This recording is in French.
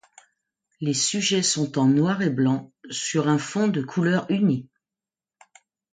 Les sujets sont en noir et blanc sur un fond de couleur uni.